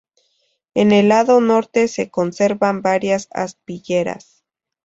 En el lado norte se conservan varias aspilleras.